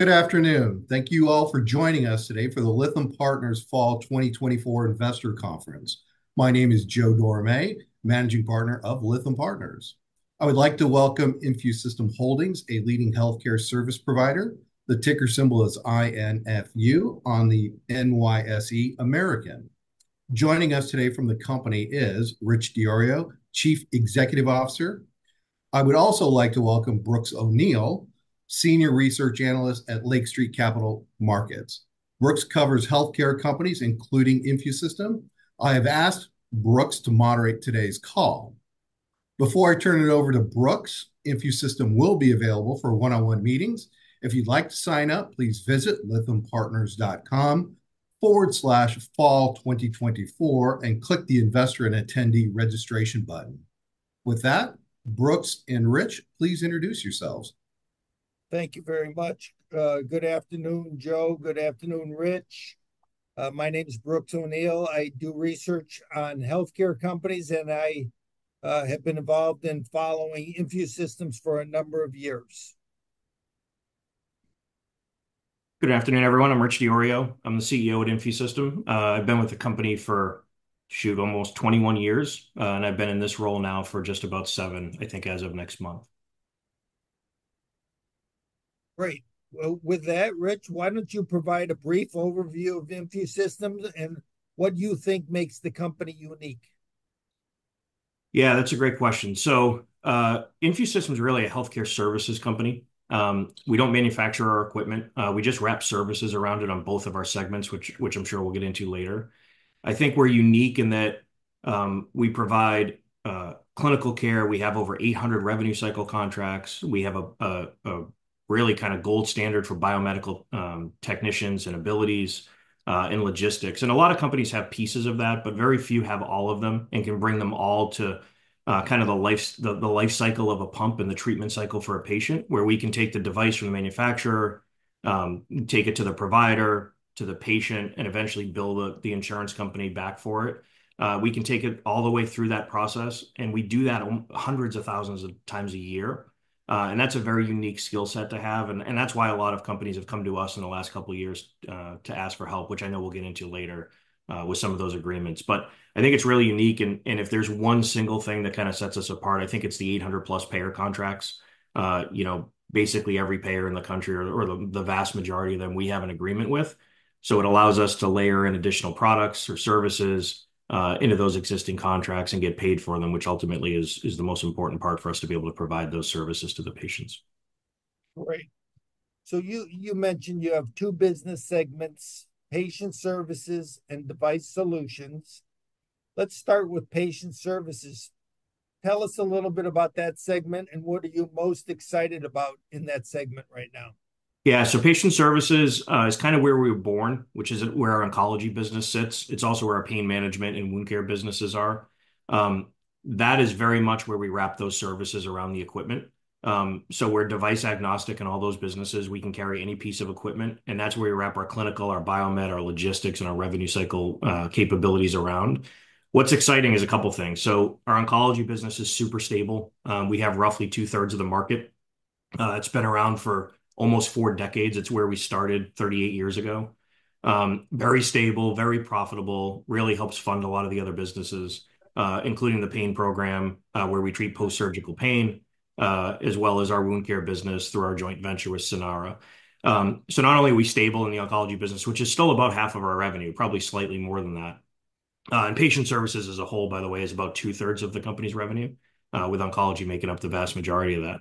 Good afternoon. Thank you all for joining us today for the Lytham Partners Fall 2024 Investor Conference. My name is Joe Dorame, Managing Partner of Lytham Partners. I would like to welcome InfuSystem Holdings, a leading healthcare service provider. The ticker symbol is I-N-F-U on the NYSE American. Joining us today from the company is Rich DiIorio, Chief Executive Officer. I would also like to welcome Brooks O'Neil, Senior Research Analyst at Lake Street Capital Markets. Brooks covers healthcare companies, including InfuSystem. I have asked Brooks to moderate today's call. Before I turn it over to Brooks, InfuSystem will be available for one-on-one meetings. If you'd like to sign up, please visit lythampartners.com/fall2024 and click the Investor and Attendee Registration button. With that, Brooks and Rich, please introduce yourselves. Thank you very much. Good afternoon, Joe. Good afternoon, Rich. My name is Brooks O'Neil. I do research on healthcare companies, and I have been involved in following InfuSystem for a number of years. Good afternoon, everyone. I'm Rich DiIorio. I'm the CEO at InfuSystem. I've been with the company for, shoot, almost 21 years, and I've been in this role now for just about seven, I think, as of next month. Great. With that, Rich, why don't you provide a brief overview of InfuSystem and what you think makes the company unique? Yeah, that's a great question. So, InfuSystem is really a healthcare services company. We don't manufacture our equipment, we just wrap services around it on both of our segments, which I'm sure we'll get into later. I think we're unique in that, we provide clinical care. We have over eight hundred revenue cycle contracts. We have a really kind of gold standard for biomedical technicians and abilities, and logistics. A lot of companies have pieces of that, but very few have all of them and can bring them all to kind of the life cycle of a pump and the treatment cycle for a patient, where we can take the device from the manufacturer, take it to the provider, to the patient, and eventually bill the insurance company back for it. We can take it all the way through that process, and we do that hundreds of thousands of times a year. That's a very unique skill set to have, and that's why a lot of companies have come to us in the last couple of years to ask for help, which I know we'll get into later with some of those agreements. I think it's really unique, and if there's one single thing that kind of sets us apart, I think it's the 800-plus payer contracts. You know, basically every payer in the country or the vast majority of them, we have an agreement with. So it allows us to layer in additional products or services into those existing contracts and get paid for them, which ultimately is the most important part for us to be able to provide those services to the patients. Great. So you mentioned you have two business segments, patient services and device solutions. Let's start with patient services. Tell us a little bit about that segment, and what are you most excited about in that segment right now? Yeah, so patient services is kind of where we were born, which is where our oncology business sits. It's also where our pain management and wound care businesses are. That is very much where we wrap those services around the equipment. So we're device agnostic in all those businesses. We can carry any piece of equipment, and that's where we wrap our clinical, our biomed, our logistics, and our revenue cycle capabilities around. What's exciting is a couple things. So our oncology business is super stable. We have roughly two-thirds of the market. It's been around for almost four decades. It's where we started 38 years ago. Very stable, very profitable. Really helps fund a lot of the other businesses, including the pain program, where we treat post-surgical pain, as well as our wound care business through our joint venture with Sanara, so not only are we stable in the oncology business, which is still about half of our revenue, probably slightly more than that, and patient services as a whole, by the way, is about two-thirds of the company's revenue, with oncology making up the vast majority of that,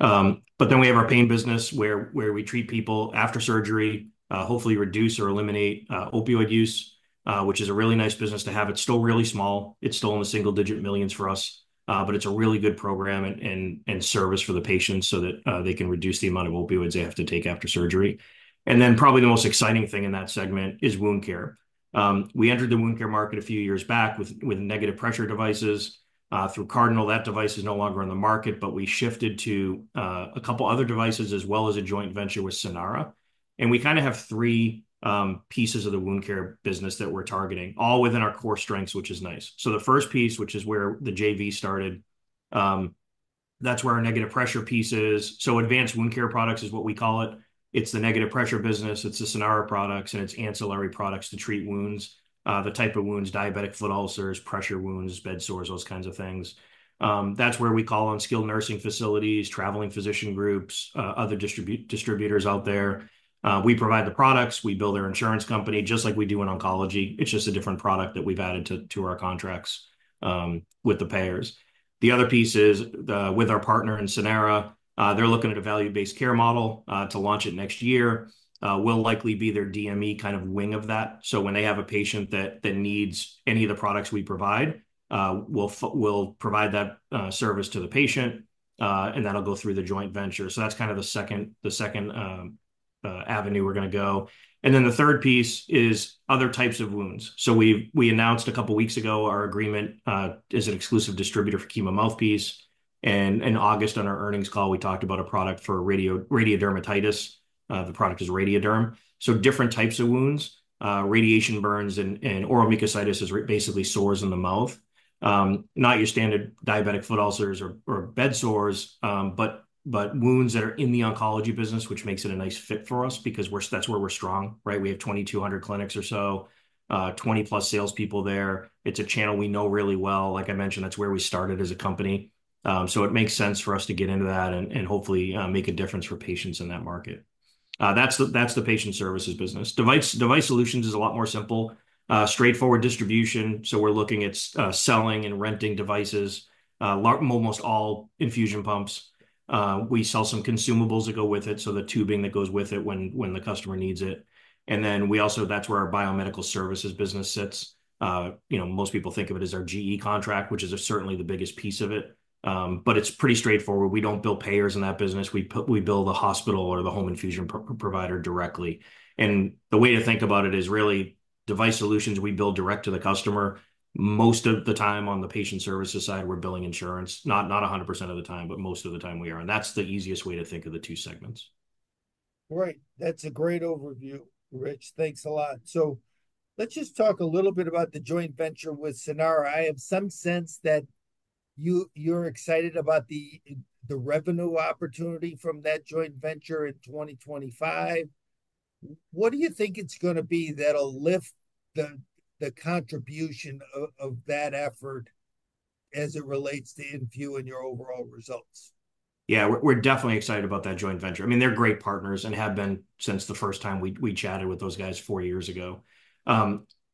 but then we have our pain business, where we treat people after surgery, hopefully reduce or eliminate, opioid use, which is a really nice business to have. It's still really small. It's still in the single-digit millions for us, but it's a really good program and service for the patients so that they can reduce the amount of opioids they have to take after surgery. And then, probably the most exciting thing in that segment is wound care. We entered the wound care market a few years back with negative pressure devices through Cardinal. That device is no longer on the market, but we shifted to a couple other devices, as well as a joint venture with Sanara. And we kind of have three pieces of the wound care business that we're targeting, all within our core strengths, which is nice. So the first piece, which is where the JV started, that's where our negative pressure piece is. So advanced wound care products is what we call it. It's the negative pressure business, it's the Sanara products, and it's ancillary products to treat wounds. The type of wounds, diabetic foot ulcers, pressure wounds, bedsores, those kinds of things. That's where we call on skilled nursing facilities, traveling physician groups, other distributors out there. We provide the products, we bill their insurance company, just like we do in oncology. It's just a different product that we've added to our contracts with the payers. The other piece is with our partner in Sanara, they're looking at a value-based care model to launch it next year. We'll likely be their DME kind of wing of that. So when they have a patient that needs any of the products we provide, we'll provide that service to the patient, and that'll go through the joint venture. That's kind of the second avenue we're going to go. The third piece is other types of wounds. We've announced a couple of weeks ago our agreement as an exclusive distributor for Chemo Mouthpiece. In August, on our earnings call, we talked about a product for radiodermatitis. The product is RadioDerm. Different types of wounds, radiation burns, and oral mucositis is basically sores in the mouth. Not your standard diabetic foot ulcers or bedsores, but wounds that are in the oncology business, which makes it a nice fit for us because that's where we're strong, right? We have 2,200 clinics or so, 20-plus salespeople there. It's a channel we know really well. Like I mentioned, that's where we started as a company. So it makes sense for us to get into that and hopefully make a difference for patients in that market. That's the patient services business. Device solutions is a lot more simple, straightforward distribution, so we're looking at selling and renting devices, almost all infusion pumps. We sell some consumables that go with it, so the tubing that goes with it when the customer needs it, and then we also. That's where our biomedical services business sits. You know, most people think of it as our GE contract, which is certainly the biggest piece of it. But it's pretty straightforward. We don't bill payers in that business. We bill the hospital or the home infusion provider directly, and the way to think about it is, really, device solutions, we bill direct to the customer. Most of the time on the patient service side, we're billing insurance, not 100% of the time, but most of the time we are, and that's the easiest way to think of the two segments. Right. That's a great overview, Rich. Thanks a lot. So let's just talk a little bit about the joint venture with Sanara. I have some sense that you, you're excited about the revenue opportunity from that joint venture in 2025. What do you think it's gonna be that'll lift the contribution of that effort as it relates to Infu and your overall results? Yeah, we're definitely excited about that joint venture. I mean, they're great partners and have been since the first time we chatted with those guys four years ago.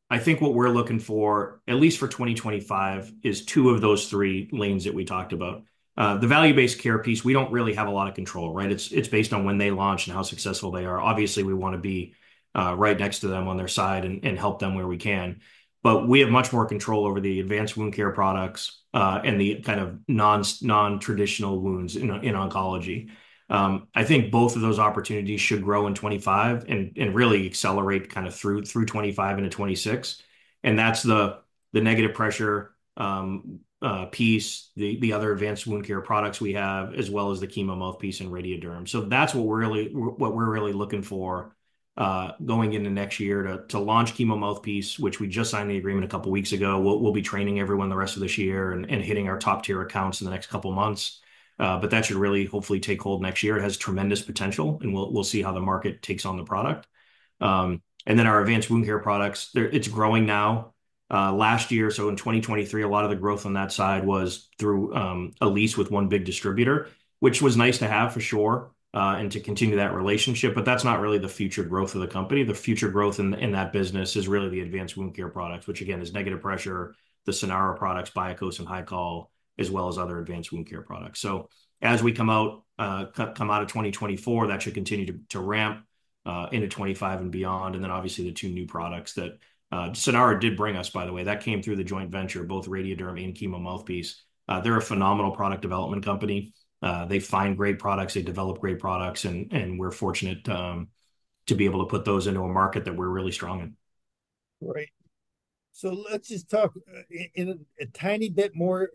I think what we're looking for, at least for 2025, is two of those three lanes that we talked about. The value-based care piece, we don't really have a lot of control, right? It's based on when they launch and how successful they are. Obviously, we wanna be right next to them on their side and help them where we can, but we have much more control over the advanced wound care products and the kind of non-traditional wounds in oncology. I think both of those opportunities should grow in 2025 and really accelerate kind of through 2025 into 2026, and that's the negative pressure piece, the other advanced wound care products we have, as well as the Chemo Mouthpiece and RadioDerm. So that's what we're really looking for going into next year, to launch Chemo Mouthpiece, which we just signed the agreement a couple weeks ago. We'll be training everyone the rest of this year and hitting our top-tier accounts in the next couple of months. But that should really hopefully take hold next year. It has tremendous potential, and we'll see how the market takes on the product. And then our advanced wound care products, they're growing now. Last year, so in 2023, a lot of the growth on that side was through a lease with one big distributor, which was nice to have, for sure, and to continue that relationship, but that's not really the future growth of the company. The future growth in that business is really the advanced wound care products, which, again, is negative pressure, the Sanara products, BIAKŌT and HYCOL, as well as other advanced wound care products. As we come out of 2024, that should continue to ramp into 2025 and beyond, and then obviously, the two new products that Sanara did bring us, by the way, that came through the joint venture, both RadioDerm and Chemo Mouthpiece. They're a phenomenal product development company. They find great products, they develop great products, and we're fortunate to be able to put those into a market that we're really strong in. Great. So let's just talk in a tiny bit more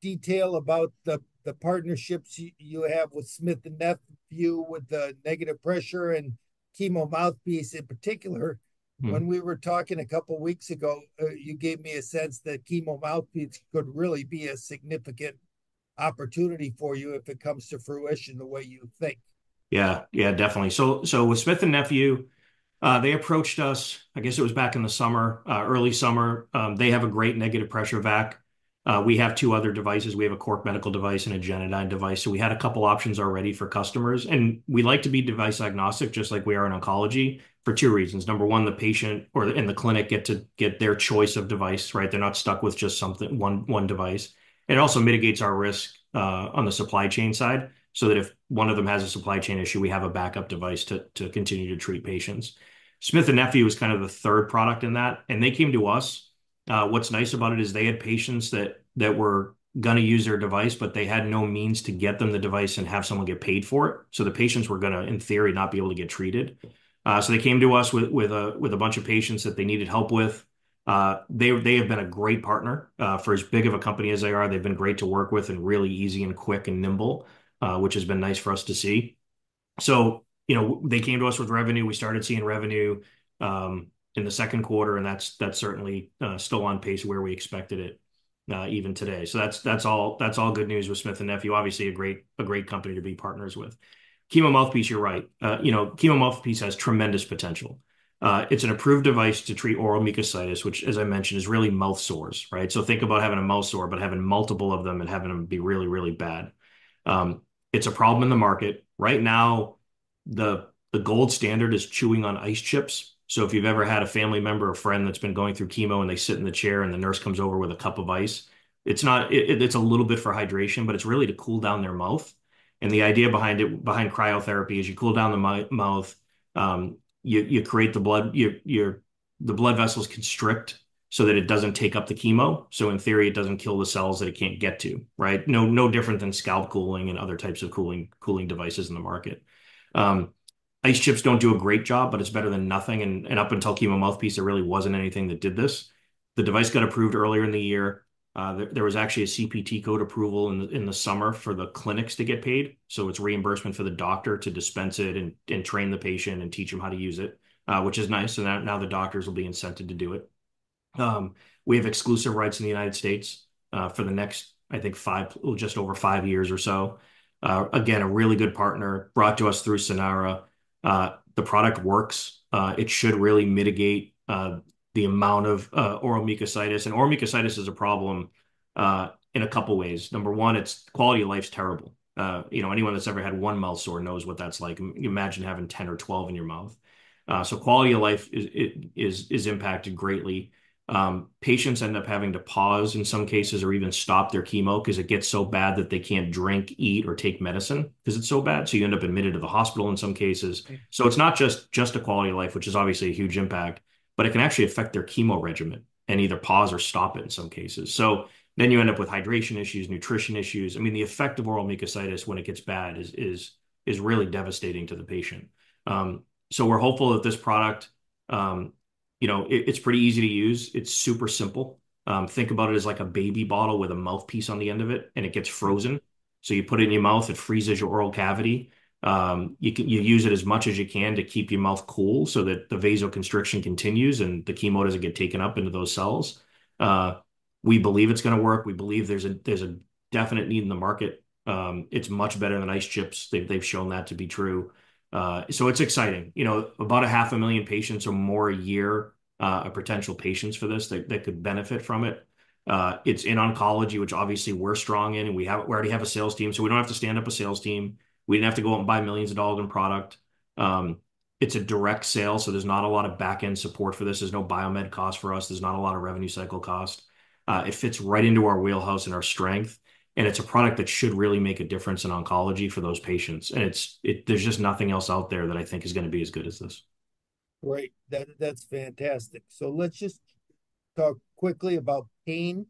detail about the partnerships you have with Smith+Nephew, with the negative pressure and Chemo Mouthpiece in particular. When we were talking a couple of weeks ago, you gave me a sense that Chemo Mouthpiece could really be a significant opportunity for you if it comes to fruition the way you think. Yeah. Yeah, definitely. So, so with Smith+Nephew, they approached us, I guess it was back in the summer, early summer. They have a great negative pressure vac. We have two other devices. We have a Cork Medical device and a Genadyne device, so we had a couple options already for customers, and we like to be device-agnostic, just like we are in oncology, for two reasons. Number one, the patient or and the clinic get their choice of device, right? They're not stuck with just something one device. It also mitigates our risk on the supply chain side, so that if one of them has a supply chain issue, we have a backup device to continue to treat patients. Smith+Nephew was kind of the third product in that, and they came to us. What's nice about it is they had patients that were gonna use their device, but they had no means to get them the device and have someone get paid for it, so the patients were gonna, in theory, not be able to get treated. So they came to us with a bunch of patients that they needed help with. They have been a great partner. For as big of a company as they are, they've been great to work with and really easy and quick and nimble, which has been nice for us to see. So, you know, they came to us with revenue. We started seeing revenue in the second quarter, and that's certainly still on pace where we expected it, even today. So that's all good news with Smith+Nephew. Obviously, a great company to be partners with. Chemo Mouthpiece, you're right. You know, Chemo Mouthpiece has tremendous potential. It's an approved device to treat oral mucositis, which, as I mentioned, is really mouth sores, right? So think about having a mouth sore, but having multiple of them and having them be really, really bad. It's a problem in the market. Right now, the gold standard is chewing on ice chips, so if you've ever had a family member or friend that's been going through chemo, and they sit in the chair, and the nurse comes over with a cup of ice, it's a little bit for hydration, but it's really to cool down their mouth, and the idea behind it, behind cryotherapy, is you cool down the mouth, you create the blood, your, your... The blood vessels constrict so that it doesn't take up the chemo, so in theory, it doesn't kill the cells that it can't get to, right? No, no different than scalp cooling and other types of cooling, cooling devices in the market. Ice chips don't do a great job, but it's better than nothing, and up until Chemo Mouthpiece, there really wasn't anything that did this. The device got approved earlier in the year. There was actually a CPT code approval in the summer for the clinics to get paid, so it's reimbursement for the doctor to dispense it and train the patient and teach them how to use it, which is nice, so now the doctors will be incentivized to do it. We have exclusive rights in the United States, for the next, I think, five, just over five years or so. Again, a really good partner brought to us through Sanara. The product works. It should really mitigate the amount of oral mucositis, and oral mucositis is a problem in a couple ways. Number one, it's quality of life is terrible. You know, anyone that's ever had one mouth sore knows what that's like. Imagine having 10 or 12 in your mouth. So quality of life is, it is impacted greatly. Patients end up having to pause in some cases or even stop their chemo, 'cause it gets so bad that they can't drink, eat, or take medicine, 'cause it's so bad, so you end up admitted to the hospital in some cases. So it's not just the quality of life, which is obviously a huge impact, but it can actually affect their chemo regimen, and either pause or stop it in some cases. So then you end up with hydration issues, nutrition issues. I mean, the effect of oral mucositis when it gets bad is really devastating to the patient. So we're hopeful that this product. You know, it, it's pretty easy to use. It's super simple. Think about it as like a baby bottle with a mouthpiece on the end of it, and it gets frozen. So you put it in your mouth, it freezes your oral cavity. You use it as much as you can to keep your mouth cool so that the vasoconstriction continues and the chemo doesn't get taken up into those cells. We believe it's gonna work. We believe there's a definite need in the market. It's much better than ice chips. They've shown that to be true. So it's exciting. You know, about 500,000 patients or more a year, of potential patients for this, that could benefit from it. It's in oncology, which obviously we're strong in, and we already have a sales team, so we don't have to stand up a sales team. We didn't have to go out and buy millions of dollars in product. It's a direct sale, so there's not a lot of back-end support for this. There's no biomed cost for us. There's not a lot of revenue cycle cost. It fits right into our wheelhouse and our strength, and it's a product that should really make a difference in oncology for those patients, and it's, there's just nothing else out there that I think is gonna be as good as this. Great. That's fantastic. So let's just talk quickly about pain.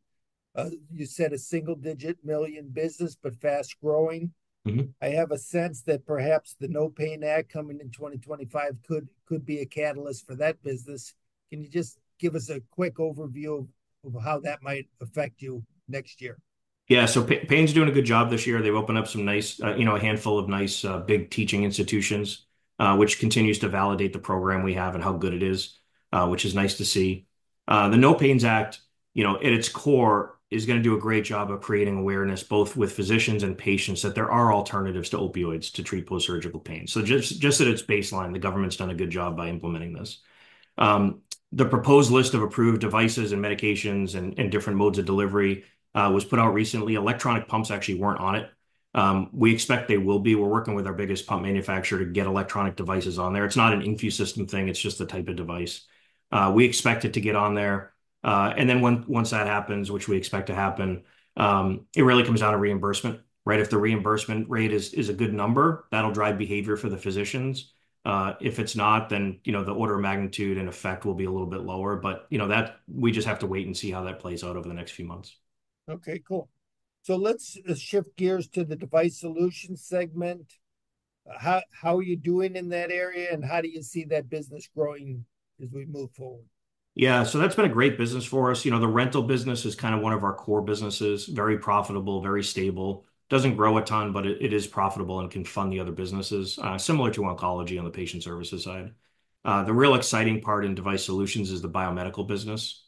You said a single-digit million business but fast-growing. I have a sense that perhaps the NOPAIN Act coming in 2025 could be a catalyst for that business. Can you just give us a quick overview of how that might affect you next year? Yeah, so pain's doing a good job this year. They've opened up some nice, you know, a handful of nice, big teaching institutions, which continues to validate the program we have and how good it is, which is nice to see. The NOPAIN Act, you know, at its core, is gonna do a great job of creating awareness, both with physicians and patients, that there are alternatives to opioids to treat post-surgical pain. So just at its baseline, the government's done a good job by implementing this. The proposed list of approved devices and medications and different modes of delivery was put out recently. Electronic pumps actually weren't on it. We expect they will be. We're working with our biggest pump manufacturer to get electronic devices on there. It's not an InfuSystem thing, it's just the type of device. We expect it to get on there, and then once that happens, which we expect to happen, it really comes down to reimbursement, right? If the reimbursement rate is a good number, that'll drive behavior for the physicians. If it's not, then you know the order of magnitude and effect will be a little bit lower. But you know that we just have to wait and see how that plays out over the next few months. Okay, cool. So let's shift gears to the device solution segment. How are you doing in that area, and how do you see that business growing as we move forward? Yeah, so that's been a great business for us. You know, the rental business is kind of one of our core businesses, very profitable, very stable. Doesn't grow a ton, but it is profitable and can fund the other businesses, similar to oncology on the patient services side. The real exciting part in device solutions is the biomedical business.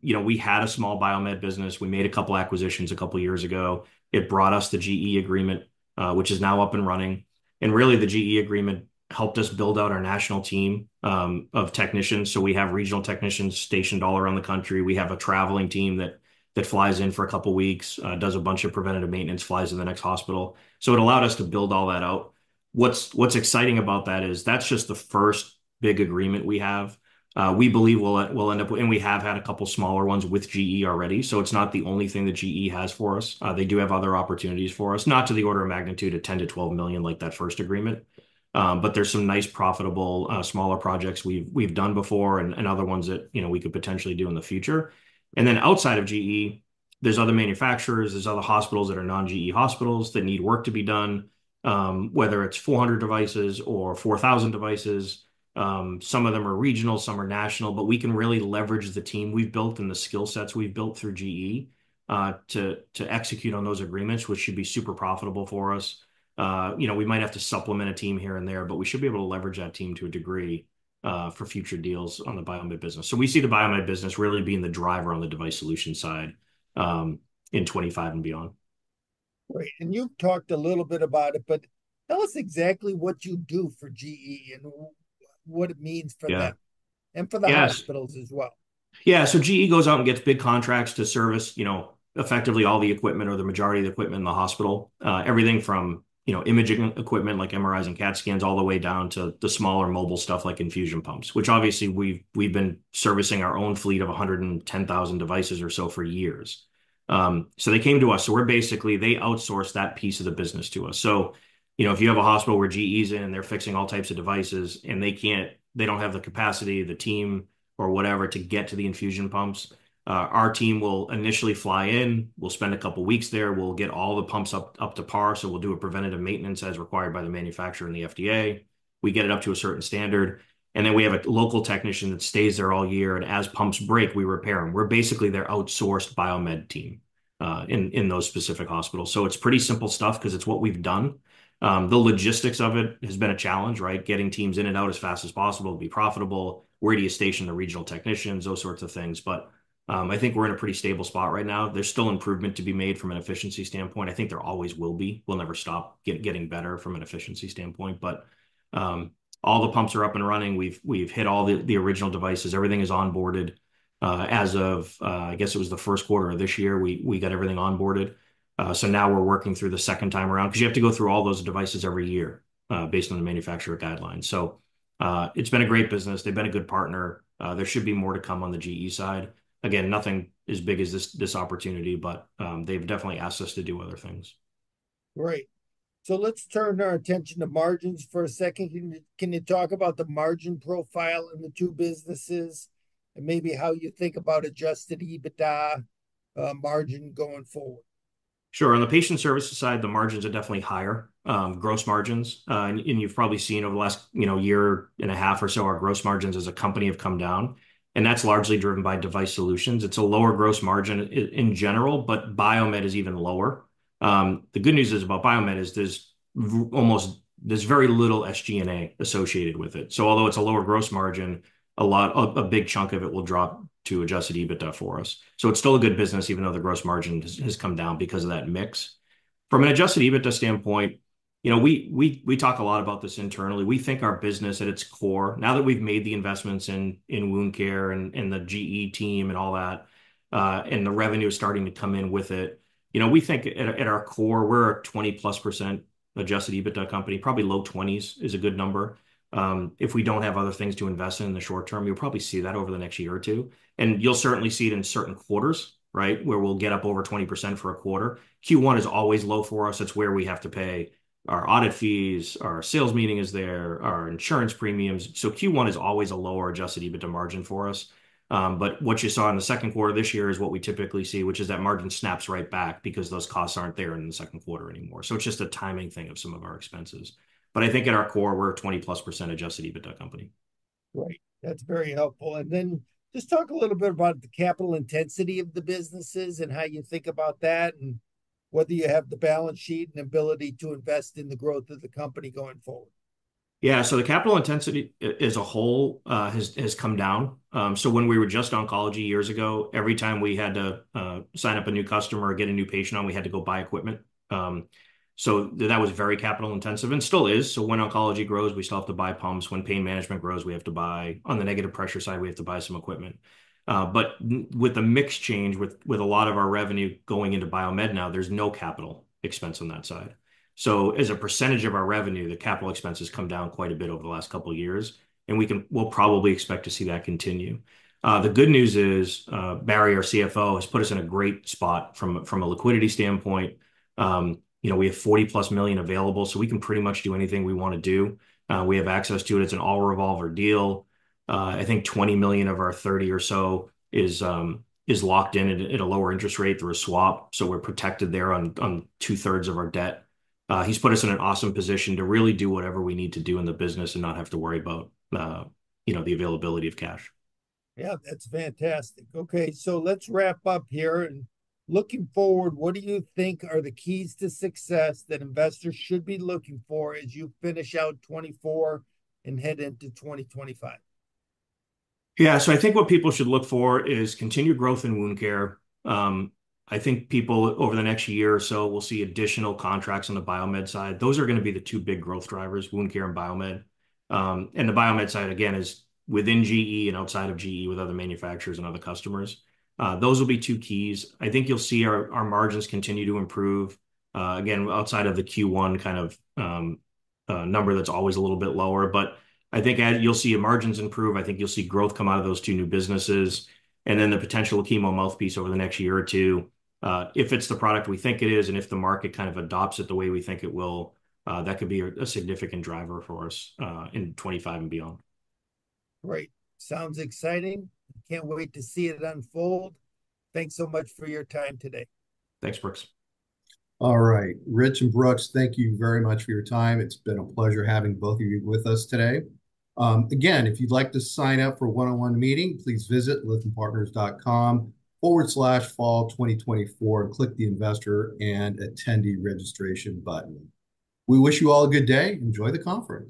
You know, we had a small biomed business. We made a couple acquisitions a couple years ago. It brought us the GE agreement, which is now up and running, and really, the GE agreement helped us build out our national team of technicians. So we have regional technicians stationed all around the country. We have a traveling team that flies in for a couple weeks, does a bunch of preventative maintenance, flies to the next hospital. So it allowed us to build all that out. What's exciting about that is, that's just the first big agreement we have. We believe we'll end up, and we have had a couple smaller ones with GE already, so it's not the only thing that GE has for us. They do have other opportunities for us, not to the order of magnitude of $10 million-$12 million like that first agreement, but there's some nice, profitable smaller projects we've done before and other ones that, you know, we could potentially do in the future, and then outside of GE, there's other manufacturers, there's other hospitals that are non-GE hospitals that need work to be done. Whether it's 400 devices or 4,000 devices, some of them are regional, some are national, but we can really leverage the team we've built and the skill sets we've built through GE to execute on those agreements, which should be super profitable for us. You know, we might have to supplement a team here and there, but we should be able to leverage that team to a degree for future deals on the biomed business. So we see the biomed business really being the driver on the device solution side in 2025 and beyond. Great, and you've talked a little bit about it, but tell us exactly what you do for GE and what it means for them? And for the hospitals as well. Yeah, so GE goes out and gets big contracts to service, you know, effectively all the equipment or the majority of the equipment in the hospital. Everything from, you know, imaging equipment, like MRIs and CAT scans, all the way down to the smaller mobile stuff like infusion pumps, which obviously we've been servicing our own fleet of 110,000 devices or so for years. So they came to us. We're basically, they outsourced that piece of the business to us. So, you know, if you have a hospital where GE's in, and they're fixing all types of devices, and they can't, they don't have the capacity, the team, or whatever to get to the infusion pumps, our team will initially fly in. We'll spend a couple weeks there. We'll get all the pumps up, up to par, so we'll do a preventative maintenance as required by the manufacturer and the FDA. We get it up to a certain standard, and then we have a local technician that stays there all year, and as pumps break, we repair them. We're basically their outsourced biomed team in those specific hospitals. So it's pretty simple stuff, 'cause it's what we've done. The logistics of it has been a challenge, right? Getting teams in and out as fast as possible to be profitable. Where do you station the regional technicians? Those sorts of things. But, I think we're in a pretty stable spot right now. There's still improvement to be made from an efficiency standpoint. I think there always will be. We'll never stop getting better from an efficiency standpoint. All the pumps are up and running. We've hit all the original devices. Everything is onboarded. As of, I guess it was the first quarter of this year, we got everything onboarded. So now we're working through the second time around, 'cause you have to go through all those devices every year, based on the manufacturer guidelines. So, it's been a great business. They've been a good partner. There should be more to come on the GE side. Again, nothing as big as this opportunity, but, they've definitely asked us to do other things. Great. So let's turn our attention to margins for a second. Can you talk about the margin profile in the two businesses, and maybe how you think about Adjusted EBITDA margin going forward? Sure. On the patient service side, the margins are definitely higher, gross margins. And you've probably seen over the last, you know, year-and-a-half or so, our gross margins as a company have come down, and that's largely driven by device solutions. It's a lower gross margin in general, but biomed is even lower. The good news is, about biomed, is there's very little SG&A associated with it. So although it's a lower gross margin, a big chunk of it will drop to Adjusted EBITDA for us. So it's still a good business, even though the gross margin has come down because of that mix. From an Adjusted EBITDA standpoint, you know, we talk a lot about this internally. We think our business at its core, now that we've made the investments in wound care and the GE team and all that, and the revenue is starting to come in with it, you know, we think at our core, we're a 20-plus% Adjusted EBITDA company. Probably low 20s is a good number. If we don't have other things to invest in in the short term, you'll probably see that over the next year or two, and you'll certainly see it in certain quarters, right, where we'll get up over 20% for a quarter. Q1 is always low for us. That's where we have to pay our audit fees, our sales meeting is there, our insurance premiums. So Q1 is always a lower Adjusted EBITDA margin for us. But what you saw in the second quarter this year is what we typically see, which is that margin snaps right back, because those costs aren't there in the second quarter anymore. So it's just a timing thing of some of our expenses. But I think at our core, we're a 20-plus% Adjusted EBITDA company. Great. That's very helpful. And then just talk a little bit about the capital intensity of the businesses and how you think about that, and whether you have the balance sheet and ability to invest in the growth of the company going forward. Yeah, so the capital intensity, as a whole, has come down. So when we were just oncology years ago, every time we had to sign up a new customer or get a new patient on, we had to go buy equipment. So that was very capital-intensive, and still is. So when oncology grows, we still have to buy pumps. When pain management grows, we have to buy. On the negative pressure side, we have to buy some equipment. But with the mix change, with a lot of our revenue going into biomed now, there's no capital expense on that side. So as a percentage of our revenue, the capital expense has come down quite a bit over the last couple of years, and we'll probably expect to see that continue. The good news is, Barry, our CFO, has put us in a great spot from a liquidity standpoint. You know, we have $40-plus million available, so we can pretty much do anything we want to do. We have access to it. It's an all-revolver deal. I think $20 million of our $30 or so is locked in at a lower interest rate through a swap, so we're protected there on two-thirds of our debt. He's put us in an awesome position to really do whatever we need to do in the business and not have to worry about, you know, the availability of cash. Yeah, that's fantastic. Okay, so let's wrap up here. And looking forward, what do you think are the keys to success that investors should be looking for as you finish out 2024 and head into 2025? Yeah, so I think what people should look for is continued growth in wound care. I think people over the next year or so will see additional contracts on the biomed side. Those are gonna be the two big growth drivers, wound care and biomed. And the biomed side, again, is within GE and outside of GE with other manufacturers and other customers. Those will be two keys. I think you'll see our, our margins continue to improve, again, outside of the Q1 kind of number that's always a little bit lower. But I think you'll see our margins improve, I think you'll see growth come out of those two new businesses, and then the potential Chemo Mouthpiece over the next year or two. If it's the product we think it is, and if the market kind of adopts it the way we think it will, that could be a significant driver for us in 2025 and beyond. Great. Sounds exciting. Can't wait to see it unfold. Thanks so much for your time today. Thanks, Brooks. All right, Rich and Brooks, thank you very much for your time. It's been a pleasure having both of you with us today. Again, if you'd like to sign up for a one-on-one meeting, please visit lythampartners.com/fall2024 and click the Investor and Attendee Registration button. We wish you all a good day. Enjoy the conference.